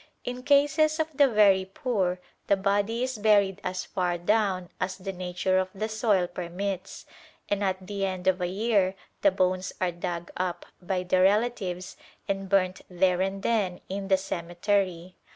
In cases of the very poor the body is buried as far down as the nature of the soil permits, and at the end of a year the bones are dug up by the relatives and burnt there and then in the cemetery.